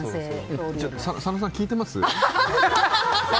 佐野さん聞いてます？